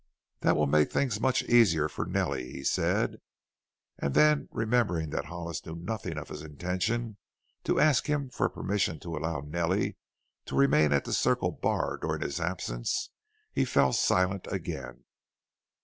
"That will make things much easier for Nellie," he said. And then, remembering that Hollis knew nothing of his intention to ask him for permission to allow Nellie to remain at the Circle Bar during his absence, he fell silent again.